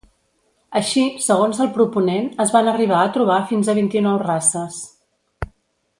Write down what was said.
Així, segons el proponent, es van arribar a trobar fins a vint-i-nou races.